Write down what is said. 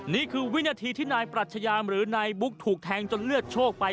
นี่คือวินาทีที่นายปรัชญาหรือนายบุ๊กถูกแทงจนเลือดโชคไป